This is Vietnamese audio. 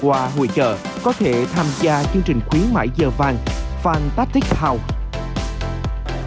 qua hội trợ có thể tham gia chương trình khuyến mại giờ vàng phan tactic house